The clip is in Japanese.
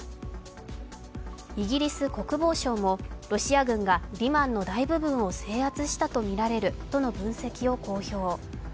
イギリス国防省もロシア軍がリマンの大部分を制圧したとみられるとの分析を公表。